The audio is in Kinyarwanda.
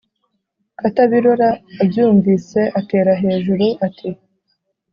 Katabirora abyumvise atera hejuru ati: